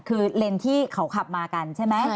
คือเลนส์ที่เขาขับมากันใช่ไหม